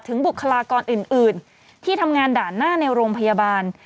บุคลากรอื่นที่ทำงานด่านหน้าในโรงพยาบาล